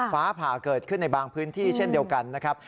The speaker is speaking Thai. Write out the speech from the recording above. ฟ้าผ่าเกิดขึ้นในบางพื้นที่เช่นเดียวกันนะครับ